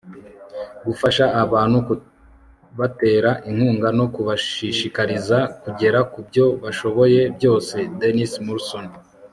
gufasha abantu, kubatera inkunga no kubashishikariza kugera ku byo bashoboye byose. - denise morrison